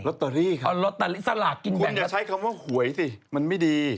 รอตเตอรี่ค่ะคุณอย่าใช้คำว่าหวยสิมันไม่ดี